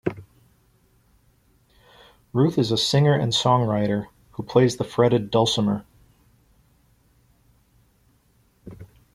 Ruth is a singer and songwriter, who plays the fretted dulcimer.